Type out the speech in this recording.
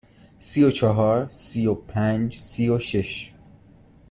سی و چهار، سی و پنج، سی و شش.